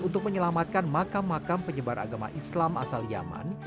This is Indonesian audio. untuk menyelamatkan makam makam penyebar agama islam asal yaman